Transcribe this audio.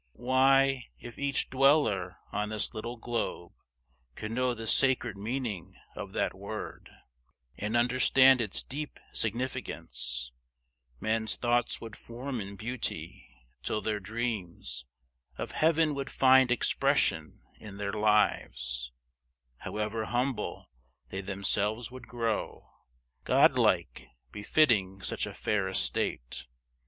Why, if each dweller on this little globe Could know the sacred meaning of that word And understand its deep significance, Men's thoughts would form in beauty, till their dreams Of heaven would find expression in their lives, However humble; they themselves would grow Godlike, befitting such a fair estate.